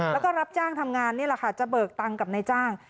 แล้วก็รับจ้างทำงานนี่แหละค่ะจะเบิกตังค์กับนายจ้าง